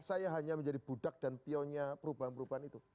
saya hanya menjadi budak dan pionya perubahan perubahan itu